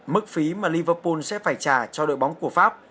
mức phí mà liverpool sẽ phải trả cho đội bóng của pháp